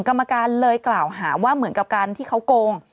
กรรมการเลยกล่าวหาว่าเหมือนกับการที่เขาโกง